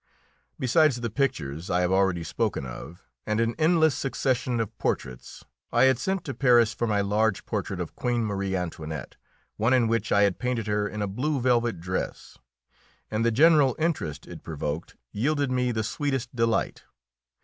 Besides the pictures I have already spoken of, and an endless succession of portraits, I had sent to Paris for my large portrait of Queen Marie Antoinette, one in which I had painted her in a blue velvet dress, and the general interest it provoked yielded me the sweetest delight.